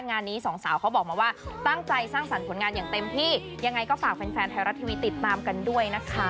งานนี้สองสาวเขาบอกมาว่าตั้งใจสร้างสรรค์ผลงานอย่างเต็มที่ยังไงก็ฝากแฟนแฟนไทยรัฐทีวีติดตามกันด้วยนะคะ